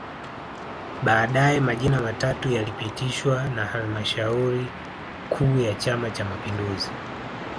Baadae majina matatu yalipitishwa na halmashauri kuu ya Chama Cha Mapinduzi